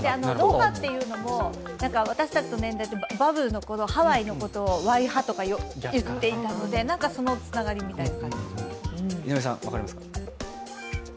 ロハっていうのも私たちの年代ってバブルのときハワイのことをワイハとか言っていたので、そのつながりみたいな。